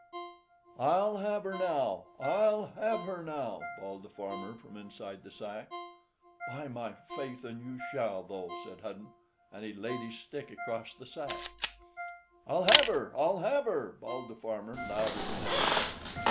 "I'll have her now! I'll have her now!" bawled the farmer from inside the sack. "By my faith and you shall, though," said Hudden, and he laid his stick across the sack. "I'll have her! I'll have her!" bawled the farmer, louder than ever.